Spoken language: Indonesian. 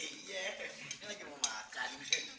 ini lagi mau makan